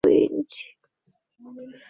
ব্যাস দুই ইঞ্চি?